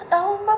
gak tahu mbak